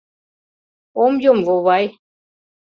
Ом йом, вовай.